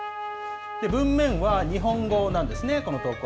文面は日本語なんですね、この投稿。